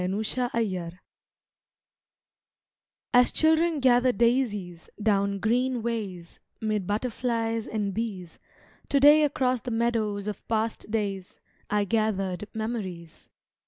THE GLEANER As children gather daisies down green ways Mid butterflies and bees, To day across the meadows of past days I gathered memories.